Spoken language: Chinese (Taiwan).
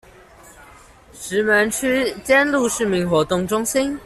石門區尖鹿市民活動中心